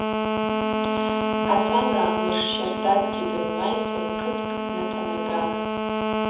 Хӏасана мыш щардакӏгьи дымгӏвайсын кыткӏ днатанагатӏ.